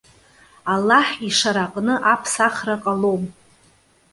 Аллаҳ ишара аҟны аԥсахра ҟалом.